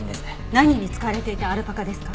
何に使われていたアルパカですか？